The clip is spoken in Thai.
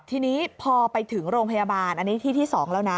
ทีนี้พอไปถึงโรงพยาบาลอันนี้ที่ที่๒แล้วนะ